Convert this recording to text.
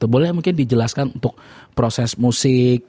boleh mungkin dijelaskan untuk proses musik